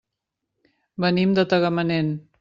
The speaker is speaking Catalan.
Venim de Tagamanent.